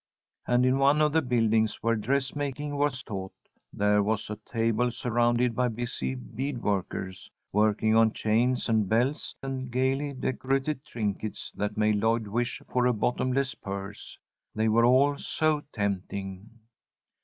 And in one of the buildings where dressmaking was taught there was a table surrounded by busy bead workers, working on chains and belts and gaily decorated trinkets that made Lloyd wish for a bottomless purse. They were all so tempting.